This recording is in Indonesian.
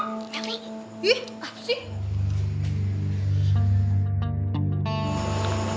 tapi ih apa sih